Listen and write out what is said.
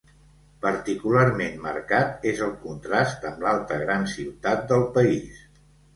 Particularment marcat és el contrast amb l'altra gran ciutat del país: